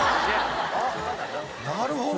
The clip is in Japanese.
なるほど！